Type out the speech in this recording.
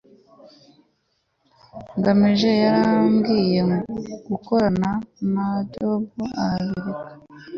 ngamije yarambiwe gukorana na jabo arabireka